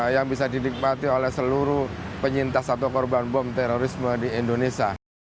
yang bisa dinikmati oleh seluruh penyintas atau korban bom terorisme di indonesia